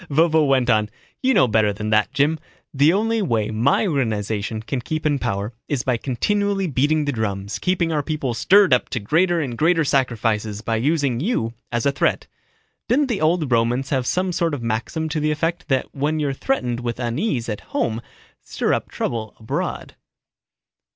Vovo went on. "You know better than that, Jim. The only way my organization can keep in power is by continually beating the drums, keeping our people stirred up to greater and greater sacrifices by using you as a threat. Didn't the old Romans have some sort of maxim to the effect that when you're threatened with unease at home stir up trouble abroad?"